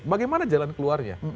bagaimana jalan keluarnya